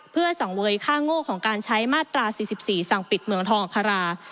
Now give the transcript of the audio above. เพื่อสังเวยค่าโง่ของการใช้มาตรา๔๔สั่งปิดเมืองทองอัครา